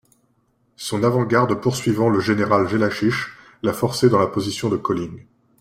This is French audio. Son avant-garde poursuivant le général Jellachich, l'a forcé dans la position de Colling.